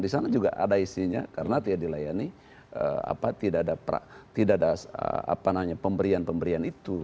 di sana juga ada isinya karena tidak dilayani tidak ada pemberian pemberian itu